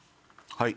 はい。